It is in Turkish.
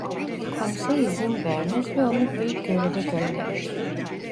Konsey izin vermez ve onu bir göreve gönderir.